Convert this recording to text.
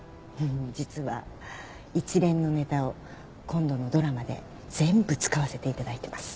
実は一連のネタを今度のドラマで全部使わせていただいてます。